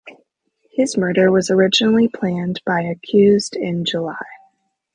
His murder was originally planned by accused in July.